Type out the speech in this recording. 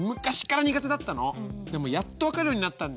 でもやっと分かるようになったんだよね。